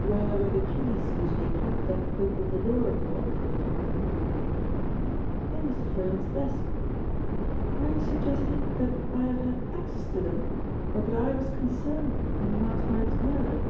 "Where were the keys usually kept that opened the door of the bomb proof room?" "In Mr. Froyant's desk. Are you suggesting that I have had access to them, or that I was concerned in last night's murder?"